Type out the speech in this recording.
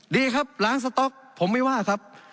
ดีครับล้างสต๊อกผมไม่ว่าครับ